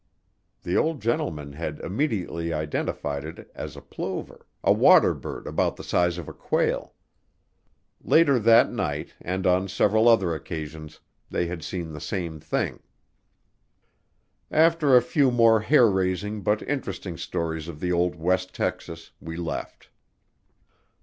The old gentleman had immediately identified it as a plover, a water bird about the size of a quail. Later that night, and on several other occasions, they had seen the same thing. After a few more hair raising but interesting stories of the old west Texas, we left.